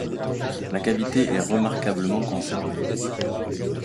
La cavité est remarquablement conservée.